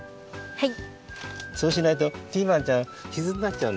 はい。